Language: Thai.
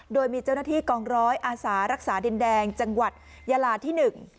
โดยมีเจ้าหน้าที่กองร้อยอาสารักษาดินแดงจังหวัดยาลาที่หนึ่ง